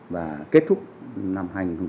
và kết thúc năm hai nghìn hai mươi